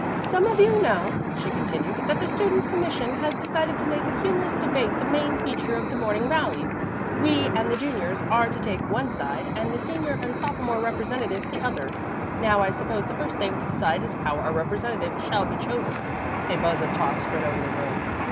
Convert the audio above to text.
"Some of you know," she continued, "that the Students' Commission has decided to make a humorous debate the main feature of the morning rally. We and the juniors are to take one side, and the senior and sophomore representatives the other. Now I suppose the first thing to decide is how our representative shall be chosen." A buzz of talk spread over the room.